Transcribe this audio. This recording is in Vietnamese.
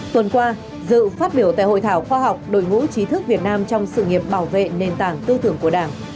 tuần qua dự phát biểu tại hội thảo khoa học đội ngũ trí thức việt nam trong sự nghiệp bảo vệ nền tảng tư tưởng của đảng